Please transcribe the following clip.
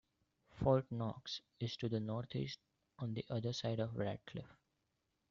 Fort Knox is to the northeast, on the other side of Radcliff.